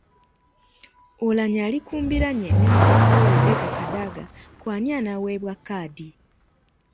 Oulanyah ali ku mbiranye ne mukama we Rebecca Kadaga ku ani anaaweebwa kkaadi.